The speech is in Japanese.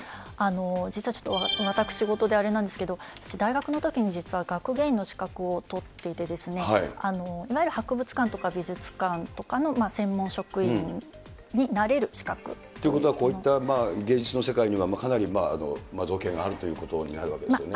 実はちょっと私事であれなんですけど、大学のときに実は学芸員の資格を取っていて、いわゆる博物館とか美術館とかの専門職員になれる資格。ということは、こういった芸術の世界には、かなり造詣があるということになるわけですよね。